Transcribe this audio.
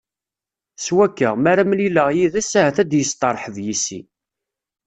S wakka, mi ara mlileɣ yid-s, ahat ad isteṛḥeb yis-i.